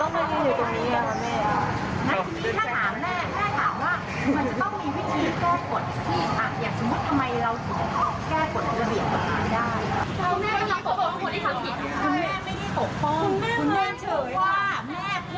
มันว่าไม่มีอะไรเกิดขึ้น